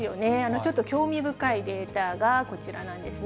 ちょっと興味深いデータがこちらなんですね。